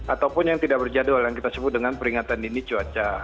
ataupun yang tidak berjadwal yang kita sebut dengan peringatan dini cuaca